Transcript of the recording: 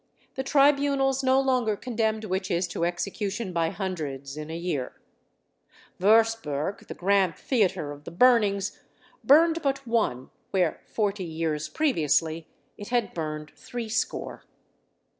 The tribunals no longer condemned witches to execution by hundreds in a year. Würzburg, the grand theatre of the burnings, burned but one where, forty years previously, it had burned three score.